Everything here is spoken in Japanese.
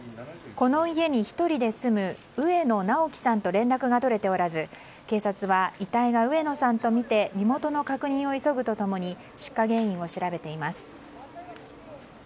この家に１人で住む上野直樹さんと連絡が取れておらず警察は遺体が上野さんとみて身元の確認を急ぐと共に出火原因を調べています。